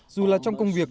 dù là trong công việc